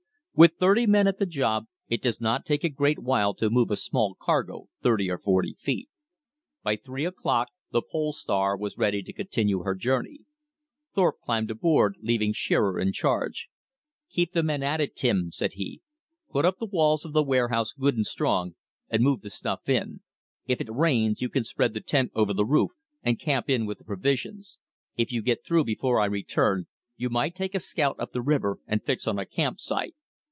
With thirty men at the job it does not take a great while to move a small cargo thirty or forty feet. By three o'clock the Pole Star was ready to continue her journey. Thorpe climbed aboard, leaving Shearer in charge. "Keep the men at it, Tim," said he. "Put up the walls of the warehouse good and strong, and move the stuff in. If it rains, you can spread the tent over the roof, and camp in with the provisions. If you get through before I return, you might take a scout up the river and fix on a camp site.